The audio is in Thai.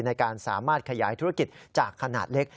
ในการสามารถขยายธุรกิจจากขนาดเล็ก